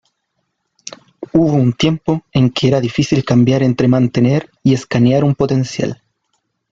Hubo un tiempo en que era difícil cambiar entre "mantener" y "escanear" un potencial.